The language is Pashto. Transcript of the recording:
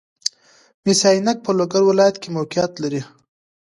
مس عینک په لوګر ولایت کې موقعیت لري